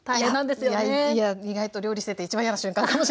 意外と料理してて一番嫌な瞬間かもしれません。